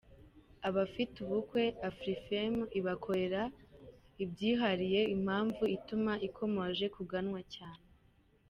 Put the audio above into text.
Abafite ubukwe, Afrifame ibakorera ibyihariye, impamvu ituma ikomeje kuganwa cyane.